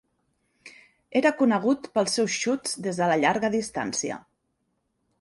Era conegut pels seus xuts des de la llarga distància.